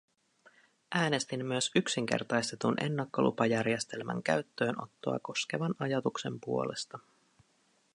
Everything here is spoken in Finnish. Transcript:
Äänestin myös yksinkertaistetun ennakkolupajärjestelmän käyttöönottoa koskevan ajatuksen puolesta.